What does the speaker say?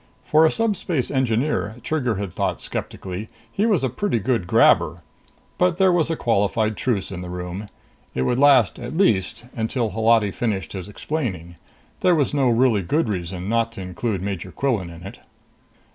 For a Subspace Engineer, Trigger had thought skeptically, he was a pretty good grabber. But there was a qualified truce in the room. It would last, at least, until Holati finished his explaining. There was no really good reason not to include Major Quillan in it.